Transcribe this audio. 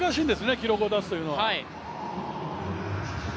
記録を出すというのは。